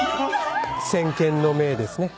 先見の明ですね。